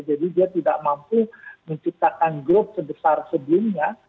jadi dia tidak mampu menciptakan grup sebesar sebelumnya